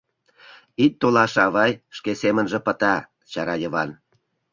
— Ит толаше, авай, шке семынже пыта, — чара Йыван.